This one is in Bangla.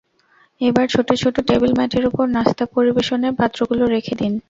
এবার ছোট ছোট টেবিল ম্যাটের ওপর নাশতা পরিবেশনের পাত্রগুলো রেখে দিন।